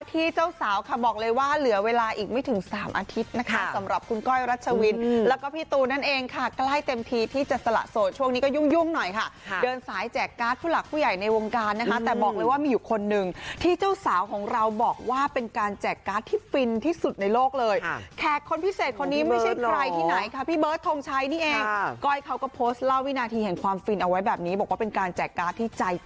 ที่เจ้าสาวค่ะบอกเลยว่าเหลือเวลาอีกไม่ถึง๓อาทิตย์นะคะสำหรับคุณก้อยรัชวินแล้วก็พี่ตูนั่นเองค่ะกล้ายเต็มทีที่จะสละโสดช่วงนี้ก็ยุ่งหน่อยค่ะเดินสายแจกการ์ดผู้หลักผู้ใหญ่ในวงการนะคะแต่บอกเลยว่ามีอยู่คนนึงที่เจ้าสาวของเราบอกว่าเป็นการแจกการ์ดที่ฟินที่สุดในโลกเลยแขกคนพิเศษคนนี้ไม่ใช